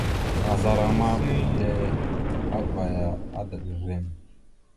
Maazlaraŋa ma, mbelle avvaya, adaɗ rrem.